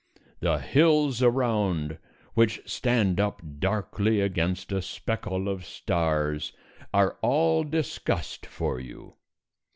The hills around, which stand up darkly against a speckle of stars, are all discussed for you.